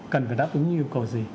cần phải đáp ứng yêu cầu gì